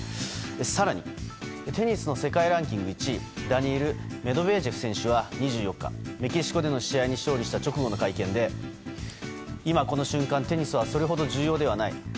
更にテニスの世界ランキング１位ダニール・メドベージェフ選手は２４日のメキシコでの試合に勝利した直後の会見で今この瞬間テニスはそれほど重要ではない。